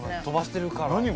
飛ばしてるから。